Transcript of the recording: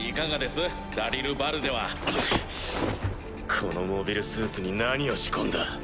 このモビルスーツに何を仕込んだ？